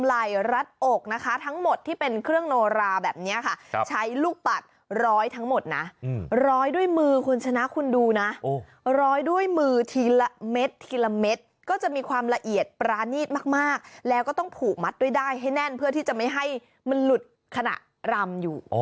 ลายรัดอกนะคะทั้งหมดที่เป็นเครื่องโนราแบบนี้ค่ะใช้ลูกปัดร้อยทั้งหมดนะร้อยด้วยมือคุณชนะคุณดูนะร้อยด้วยมือทีละเม็ดทีละเม็ดก็จะมีความละเอียดปรานีตมากแล้วก็ต้องผูกมัดด้วยได้ให้แน่นเพื่อที่จะไม่ให้มันหลุดขณะรำอยู่